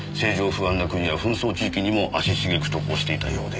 不安な国や紛争地域にも足しげく渡航していたようで。